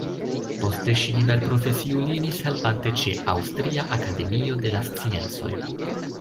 Poste ŝi liberprofesiulinis helpante ĉe "Aŭstria akademio de la sciencoj".